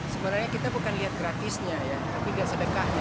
sebenarnya kita bukan lihat gratisnya ya tapi lihat sedekahnya